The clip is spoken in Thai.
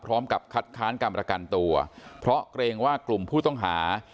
พร้อมกับคัดค้านการประกันตัวเพราะเกรงว่ากลุ่มผู้ต้องหา